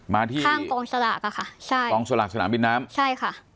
ที่ข้างกองสลากอะค่ะใช่กองสลากสนามบินน้ำใช่ค่ะ